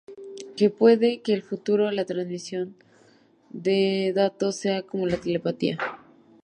que puede que en el futuro la transmisión de datos sea como la telepatía